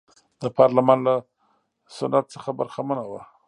د پارلمان له سنت څخه برخمنه وه.